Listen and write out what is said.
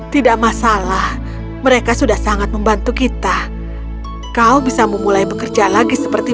tidak masalah mereka sudah sangat membantu kita kau bisa memulai bekerja lagi seperti